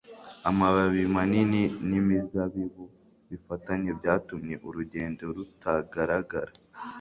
Amababi manini n'imizabibu bifatanye byatumye urugendo rutagaragara.